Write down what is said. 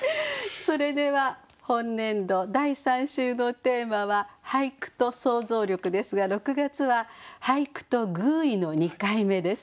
それでは本年度第３週のテーマは「俳句と想像力」ですが６月は「俳句と寓意」の２回目です。